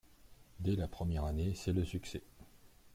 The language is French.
Dès la première année, c'est le succès.